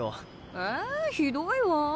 ええひどいわ。